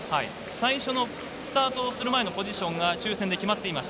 最初のスタートする前のポジションが抽選で決まっています。